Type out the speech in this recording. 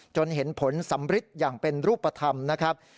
จนเห็นผลสำริดอย่างเป็นรูปธรรมนะครับ